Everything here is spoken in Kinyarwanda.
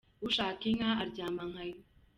Ushaka inka aryama nkayo.